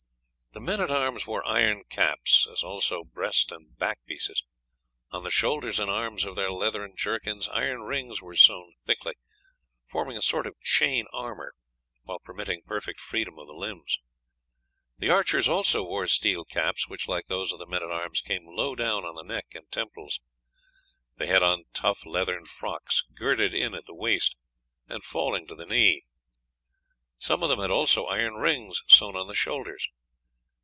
The men at arms wore iron caps, as also breast and back pieces. On the shoulders and arms of their leathern jerkins iron rings were sewn thickly, forming a sort of chain armour, while permitting perfect freedom of the limbs. The archers also wore steel caps, which, like those of the men at arms, came low down on the neck and temples. They had on tough leathern frocks, girded in at the waist, and falling to the knee; some of them had also iron rings sewn on the shoulders.